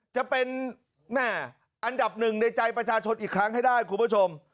จะเป็นแม่อันดับหนึ่งในใจประชาชนอีกครั้งให้ได้คุณผู้ชม